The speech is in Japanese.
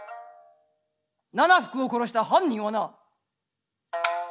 奈々福を殺した犯人はな」。